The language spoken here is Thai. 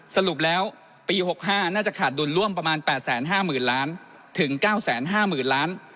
สรุปแล้วปี๖๕น่าจะขาดดุลร่วมประมาณ๘๕๐๐๐ล้านถึง๙๕๐๐๐ล้าน